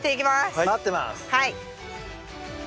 はい。